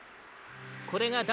これがだ